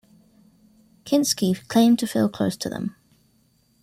Kinski claimed to feel close to them.